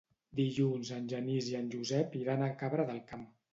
Dilluns en Genís i en Josep iran a Cabra del Camp.